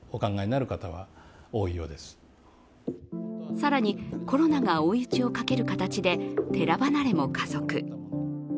更に、コロナが追い打ちをかける形で寺離れも加速。